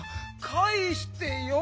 かえして！